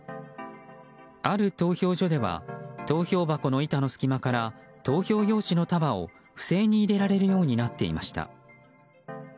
ある投票所では投票箱の板の隙間から投票用紙の束を不正に入れられるようになっていました。